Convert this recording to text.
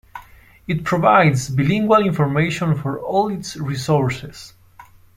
It provides bilingual information for all its resources.